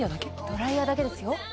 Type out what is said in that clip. ドライヤーだけですよ